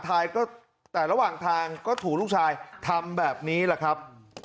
ถ่ายก็แต่ระหว่างทางก็ถูกลูกชายทำแบบนี้แหละครับ